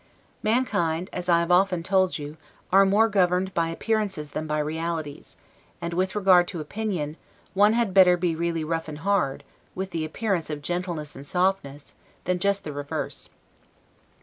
Mankind, as I have often told you, are more governed by appearances than by realities; and with regard to opinion, one had better be really rough and hard, with the appearance of gentleness and softness, than just the reverse.